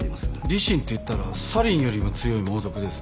リシンっていったらサリンよりも強い猛毒ですね。